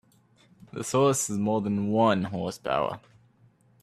This horse has more than one horse power.